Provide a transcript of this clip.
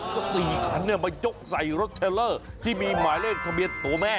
ก็๔คันมายกใส่รถเทลเลอร์ที่มีหมายเลขทะเบียนตัวแม่